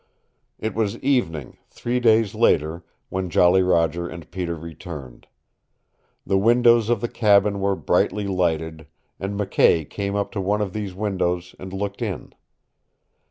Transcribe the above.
It was evening, three days later, when Jolly Roger and Peter returned. The windows of the cabin were brightly lighted, and McKay came up to one of these windows and looked in.